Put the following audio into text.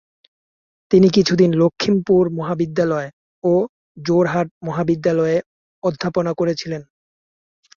তিনি কিছুদিন লখিমপুর মহাবিদ্যালয় ও যোরহাট মহাবিদ্যালয়ে অধ্যাপনা করেছিলেন।